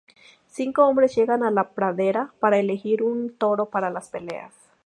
Cinco hombres llegan a la pradera para elegir a un toro para las peleas.